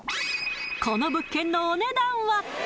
この物件のお値段は！？